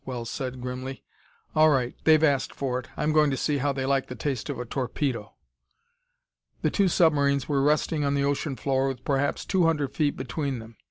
Wells said grimly. "All right; they've asked for it: I'm going to see how they like the taste of a torpedo!" The two submarines were resting on the ocean floor with perhaps two hundred feet between them.